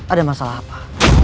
ada masalah apa